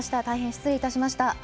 大変、失礼いたしました。